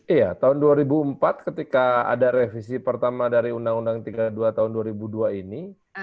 iya tahun dua ribu empat ketika ada revisi pertama dari undang undang tiga puluh dua tahun dua ribu dua ini